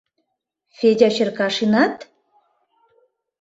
— Федя Черкашинат?